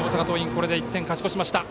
これで１点勝ち越しました。